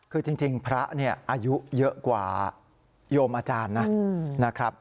คือจริงพระเนี่ยอายุเยอะกว่าโยมอาจารย์นะครับ